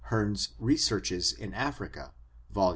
— Heme's Researches in Africa^ vol.